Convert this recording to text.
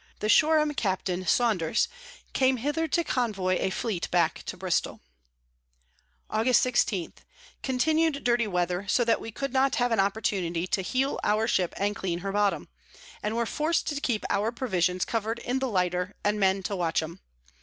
The Shoreham, Capt. Saunders, came hither to convoy a Fleet back to Bristol. Aug. 16. Continu'd dirty Weather, so that we could not have an Opportunity to heel our Ship and clean her Bottom; and were forc'd to keep our Provisions cover'd in the Lighter, and Men to watch 'em.